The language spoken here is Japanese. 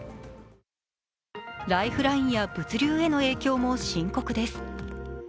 ライフラインや物流への影響も深刻です。